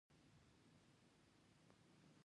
منی د افغانستان په طبیعت کې مهم رول لري.